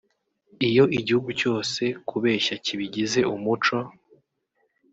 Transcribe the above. Iyo igihugu cyose kubeshya kibigize umuco